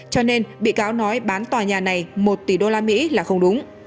cho nên bị cáo nói bán tòa nhà này một tỷ đô la mỹ là không đúng